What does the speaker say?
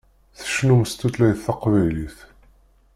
Tcennumt s tutlayt taqbaylit.